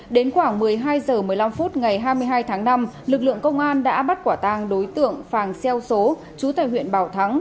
đến khoảng một mươi hai h một mươi năm phút ngày hai mươi hai tháng năm lực lượng công an đã bắt quả tang đối tượng phàng xeo số chú tại huyện bảo thắng